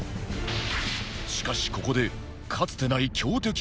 しかしここでかつてない強敵が登場